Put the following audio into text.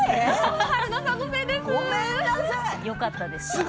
よかったです。